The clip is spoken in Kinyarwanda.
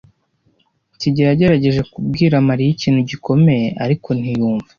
kigeli yagerageje kubwira Mariya ikintu gikomeye, ariko ntiyumva.